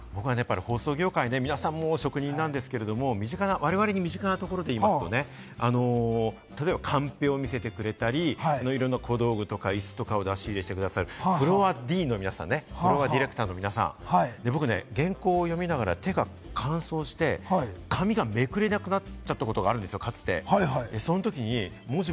放送業界は皆さん職人なんですけれども、身近なところで言いますと、例えばカンペを見せてくれたり、いろいろな小道具とか、いすとか出し入れして下さる、フロアＤの皆さんね、フロアディレクターの皆さん、僕ね、原稿を読みながら手が乾燥して、紙がめくれなくなっちゃったことがあるんです、かつて。